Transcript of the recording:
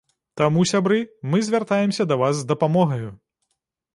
Таму, сябры, мы звяртаемся да вас з дапамогаю!